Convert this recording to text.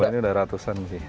kalau ini sudah ratusan sih